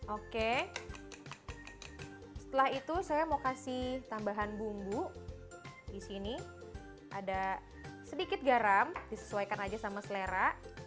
oke setelah itu saya mau kasih tambahan bumbu di sini ada sedikit garam disesuaikan aja sama selera